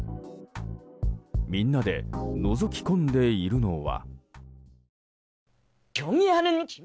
みんなでのぞき込んでいるのは。